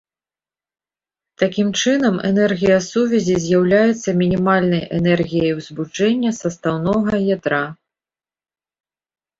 Такім чынам энергія сувязі з'яўляецца мінімальнай энергіяй ўзбуджэння састаўнога ядра.